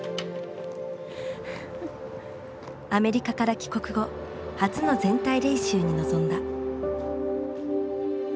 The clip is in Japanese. アメリカから帰国後初の全体練習に臨んだ。